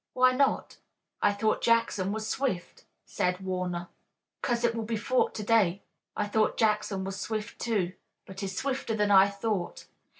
"Why not? I thought Jackson was swift," said Warner. "Cause it will be fought to day. I thought Jackson was swift, too, but he's swifter than I thought.